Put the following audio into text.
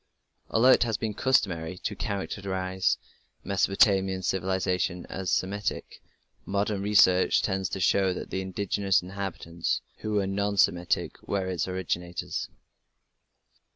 Although it has been customary to characterize Mesopotamian civilization as Semitic, modern research tends to show that the indigenous inhabitants, who were non Semitic, were its originators.